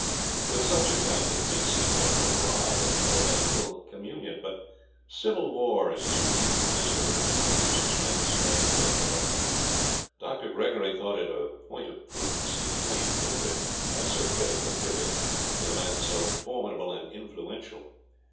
With such a family it may seem our friend Rob could have had little communion. But civil war is a species of misery which introduces men to strange bed fellows. Dr. Gregory thought it a point of prudence to claim kindred, at so critical a period, with a man so formidable and influential.